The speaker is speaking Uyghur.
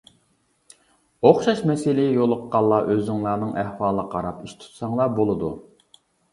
ئوخشاش مەسىلىگە يولۇققانلار ئۆزۈڭلارنىڭ ئەھۋالىغا قاراپ ئىش تۇتساڭلار بولىدۇ.